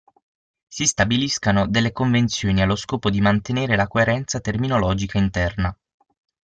Si stabiliscano delle convenzioni allo scopo di mantenere la coerenza terminologica interna.